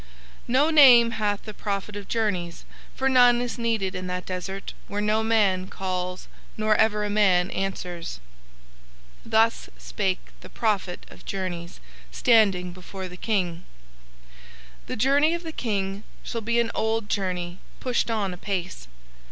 No name hath the Prophet of Journeys, for none is needed in that desert where no man calls nor ever a man answers. Thus spake the Prophet of Journeys standing before the King: "The journey of the King shall be an old journey pushed on apace.